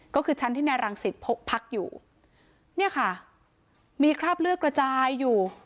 ก็คือชั้นที่นายรังสิตพกพักอยู่เนี่ยค่ะมีคราบเลือดกระจายอยู่